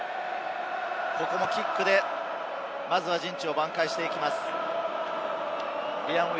ここもキックで、陣地を挽回していきます。